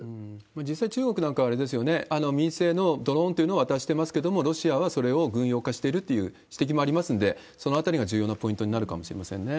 実際、中国なんかはあれですよね、民生のドローンというのを渡してますけれども、ロシアはそれを軍用化しているという指摘もありますので、そのあたりが重要なポイントになるかもしれませんね。